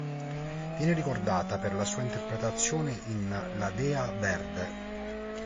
Viene ricordata per la sua interpretazione in "La dea verde".